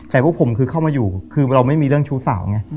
แต่พวกผมคือเข้ามาอยู่คือเราไม่มีเรื่องชู้สาวไง